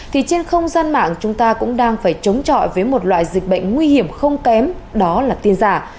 thì trên không gian mạng chúng ta cũng đang phải chống chọi với một loại dịch bệnh nguy hiểm không kém đó là tin giả